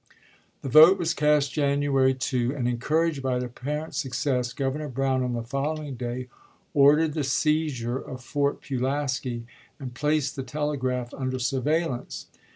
1801. The vote was cast January 2, and, encouraged by apparent success, Governor Brown on the follow ing day ordered the seizure of Fort Pulaski, and placed the telegraph under surveillance.